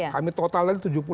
kami total tadi tujuh puluh